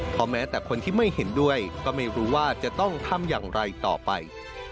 เพราะแม้แต่คนที่ไม่เห็นด้วยก็ไม่รู้ว่าจะต้องทำอย่างไรต่อไป